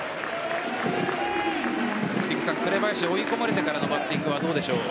紅林、追い込まれてからのバッティングはどうでしょう？